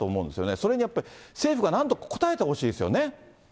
それにやっぱり政府がなんとか応えてほしいですよね。